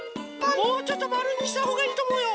もうちょっとまるにしたほうがいいとおもうよ。